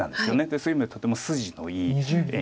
そういう意味でとても筋のいい碁。